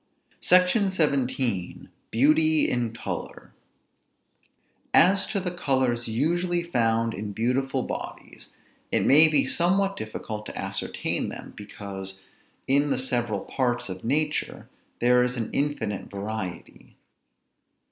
SECTION XVII. BEAUTY IN COLOR. As to the colors usually found in beautiful bodies, it may be somewhat difficult to ascertain them, because, in the several parts of nature, there is an infinite variety.